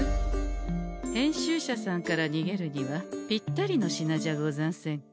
編集者さんからにげるにはぴったりの品じゃござんせんか？